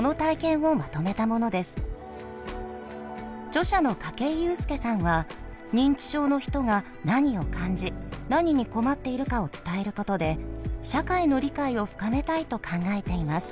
著者の筧裕介さんは認知症の人が何を感じ何に困っているかを伝えることで社会の理解を深めたいと考えています。